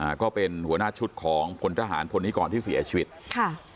ก็เป็นหัวหน้าชุดของพลทหารพลนิกรที่เสียชีวิตค่ะ